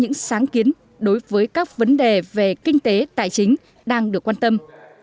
những sáng kiến đối với các vấn đề về kinh tế tài chính đang được quan tâm